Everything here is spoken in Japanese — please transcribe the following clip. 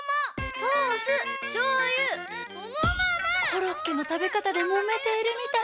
コロッケのたべかたでもめているみたい！